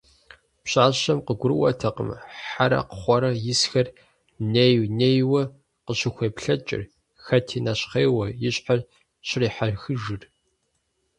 Пщащэм къыгурыӀуэтэкъым Хьэрэ-Кхъуэрэ исхэр ней-нейуэ къыщӀыхуеплъэкӀыр, хэти нэщхъейуэ и щхьэр щӀрихьэхыжыр.